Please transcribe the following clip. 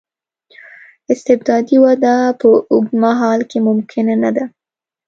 استبدادي وده په اوږد مهال کې ممکنه نه ده.